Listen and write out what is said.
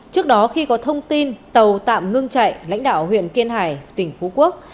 trước đó khi có thông tin tàu tạm ngưng chạy lãnh đạo huyện kiên hải tỉnh phú quốc